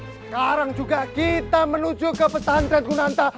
sekarang juga kita menuju ke pesantren gunanta